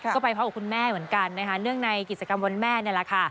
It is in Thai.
ก็ไปพร้อมกับคุณแม่เหมือนกันนะคะเนื่องในกิจกรรมวันแม่นี่แหละค่ะ